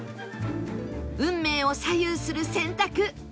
運命を左右する選択